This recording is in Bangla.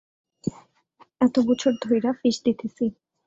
এত বছর ধইরা ফিস দিতেছি!